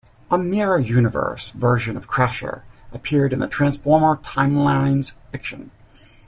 A mirror-universe version of Crasher appeared in the "Transformers: Timelines" fiction.